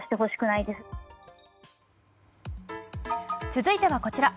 続いては、こちら。